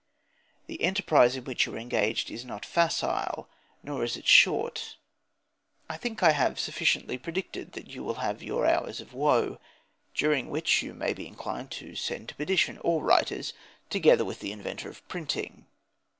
The enterprise in which you are engaged is not facile, nor is it short. I think I have sufficiently predicted that you will have your hours of woe, during which you may be inclined to send to perdition all writers, together with the inventor of printing.